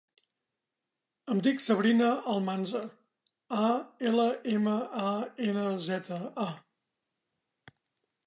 Em dic Sabrina Almanza: a, ela, ema, a, ena, zeta, a.